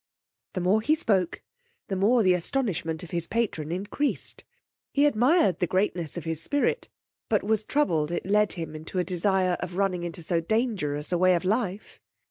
The more he spoke, the more the astonishment of his patron increased: he admired the greatness of his spirit, but was troubled it led him to a desire of running into so dangerous a way of life.